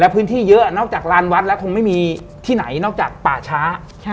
พื้นที่เยอะนอกจากลานวัดแล้วคงไม่มีที่ไหนนอกจากป่าช้า